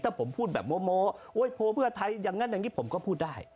ถ้าผมพูดแบบโม้โพลเพื่อไทยอย่างนั้นอย่างนี้ผมก็พูดได้